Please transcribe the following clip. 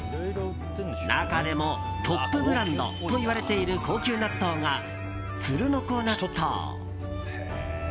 中でもトップブランドといわれている高級納豆が鶴の子納豆。